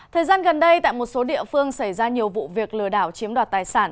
thời gian gần đây tại một số địa phương xảy ra nhiều vụ việc lừa đảo chiếm đoạt tài sản